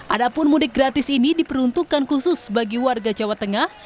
adapun mudik gratis ini diperuntukkan khusus bagi warga jawa tengah